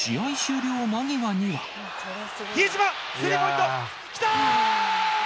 比江島、スリーポイント、きた！